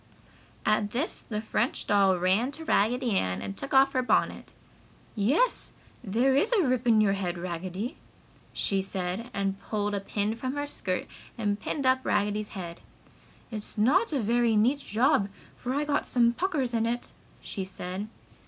At this the French doll ran to Raggedy Ann and took off her bonnet. "Yes, there is a rip in your head, Raggedy!" she said and pulled a pin from her skirt and pinned up Raggedy's head. "It's not a very neat job, for I got some puckers in it!" she said.